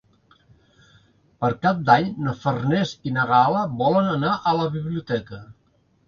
Per Cap d'Any na Farners i na Gal·la volen anar a la biblioteca.